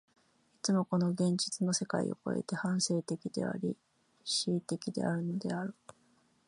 いつもこの現実の世界を越えて、反省的であり、思惟的であるのである。